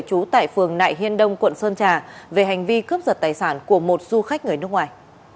trú tại phường nại hiên đông quận sơn trà về hành vi cướp giật tài sản của một du khách người nước ngoài